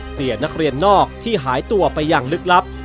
เสียนักเรียนนอกที่หายตัวไปอย่างลึกลับ